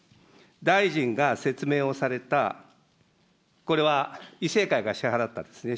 大臣が説明をされた、これは以正会が支払ったんですね。